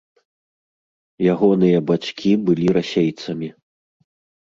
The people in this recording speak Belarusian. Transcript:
Ягоныя бацькі былі расейцамі.